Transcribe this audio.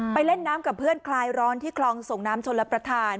เล่นน้ำกับเพื่อนคลายร้อนที่คลองส่งน้ำชนรับประทาน